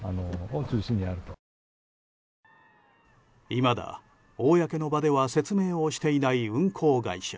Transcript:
いまだ、公の場では説明をしていない運航会社。